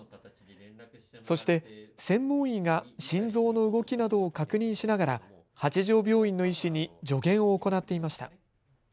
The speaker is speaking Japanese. そして専門医が心臓の動きなどを確認しながら八丈病院の医師に助言を行っていました。